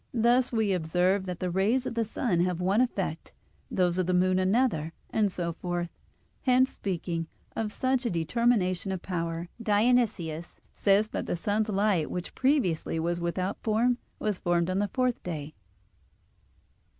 Thus we observe that the rays of the sun have one effect, those of the moon another, and so forth. Hence, speaking of such a determination of power, Dionysius (Div. Nom. iv) says that the sun's light which previously was without form, was formed on the fourth day.